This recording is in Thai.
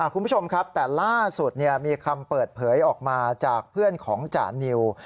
คุณผู้ชมครับแต่ล่าสุดมีคำเปิดเผยออกมาจากเพื่อนของจานิว